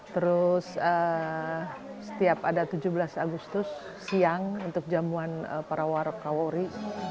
terus setiap ada tujuh belas agustus siang untuk jamuan para warak kawori